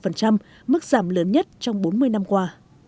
năm hai nghìn hai mươi mức giảm lớn nhất trong bốn mươi năm qua